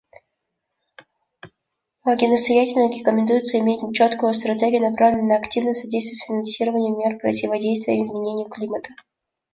Настоятельно рекомендуется иметь четкую стратегию, направленную на активное содействие финансированию мер противодействия изменению климата.